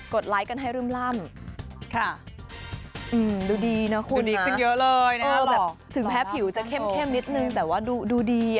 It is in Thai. กดไลค์กันให้ร่มค่ะดูดีนะคุณนะถึงแพ้ผิวจะเข้มนิดนึงแต่ว่าดูดี